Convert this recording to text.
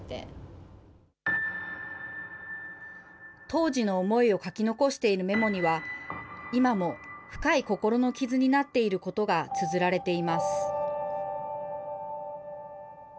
当時の思いを書き残しているメモには、今も深い心の傷になっていることがつづられています。